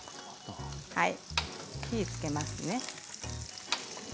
火をつけますね。